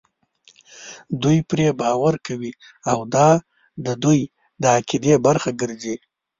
دوی پرې باور کوي او دا د دوی د عقیدې برخه ګرځي.